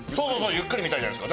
ゆっくり見たいじゃないですか。